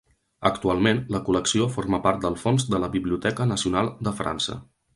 Actualment la col·lecció forma part del fons de la Biblioteca Nacional de França.